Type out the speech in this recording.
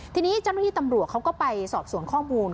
ทีนี้เจ้าหน้าที่ตำรวจเขาก็ไปสอบสวนข้อมูล